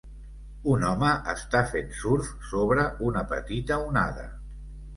Un home està fent surf sobre una petita onada